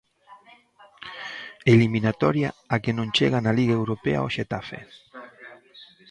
Eliminatoria á que non chega na Liga Europa o Xetafe.